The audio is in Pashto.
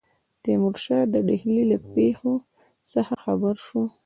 تیمورشاه د ډهلي له پیښو څخه خبر شو.